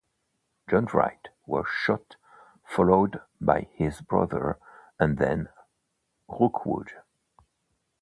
John Wright was shot, followed by his brother, and then Rookwood.